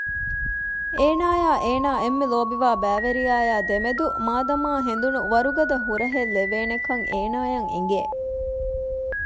އޭނާއާ އޭނާ އެންމެ ލޯބިވާ ބައިވެރިޔާއާ ދެމެދު މާދަމާ ހެނދުނު ވަރުގަދަ ހުރަހެއްލެވޭނެކަން އޭނާއަށް އެނގެ